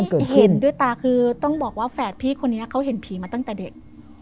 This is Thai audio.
เห็นด้วยตาคือต้องบอกว่าแฝดพี่คนนี้เขาเห็นผีมาตั้งแต่เด็ก